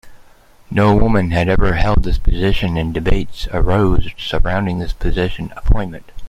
No woman had ever held this position and debates arose surrounding this appointment.